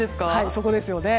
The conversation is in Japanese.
そこですよね。